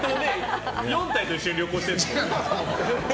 ４体と一緒に旅行してるのかな。